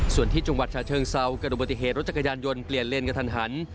ส่วนที่จังหวัดชาเชิงเซาเกิดอุบัติเหตุรถจักรยานยนต์เปลี่ยนเลนกระทันหัน